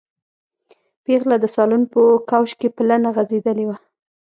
پېغله د سالون په کوچ کې پلنه غځېدلې وه.